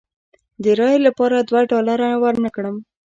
د رایې لپاره دوه ډالره ورنه کړم.